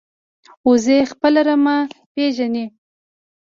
وزې خپل رمه پېژني